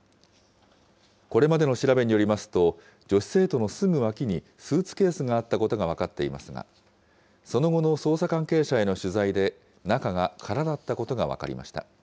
これまでの調べによりますと、女子生徒のすぐ脇にスーツケースがあったことが分かっていますが、その後の捜査関係者への取材で、中が空だったことが分かりました。